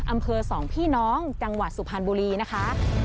อำเภอสองพี่น้องจังหวัดสุพรรณบุรีนะคะ